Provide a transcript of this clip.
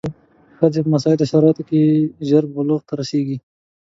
ښځې په مساعدو شرایطو کې ژر بلوغ ته رسېږي.